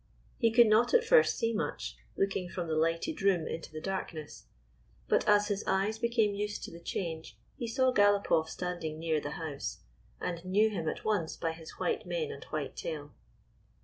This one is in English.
He could not at first see much, looking from the lighted room into the darkness ; but as his eyes became used to the change he saw Galopoff standing near the house, and knew him at once by his white mane and white tail.